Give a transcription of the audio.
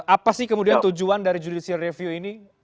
apa sih kemudian tujuan dari judicial review ini